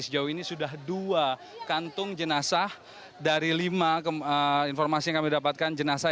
sejauh ini sudah dua kantung jenazah dari lima informasi yang kami dapatkan jenazah